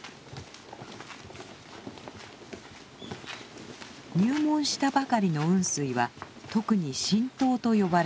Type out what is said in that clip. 入門したばかりの雲水は特に「新到」と呼ばれます。